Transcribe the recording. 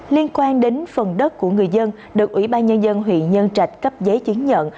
liên quan đến phần đất của người dân được ủy ban nhân dân huyện nhân trạch cấp giấy chứng nhận